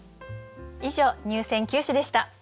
以上入選九首でした。